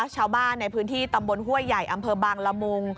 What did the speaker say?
ชาวบ้านในพื้นที่ตำบลห้วยใหญ่อำเภอบางละมุง